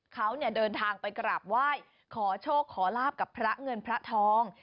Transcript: เขาเดินทางไปกราบไหว้ขอโชคขอลาบกับพระเงินพระทอง